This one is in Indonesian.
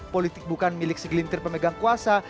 politik bukan milik segelintir pemegang kuasa